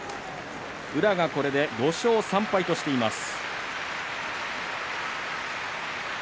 宇良が、これで５勝３敗としています。